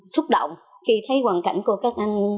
xúc động khi thấy hoàn cảnh của các anh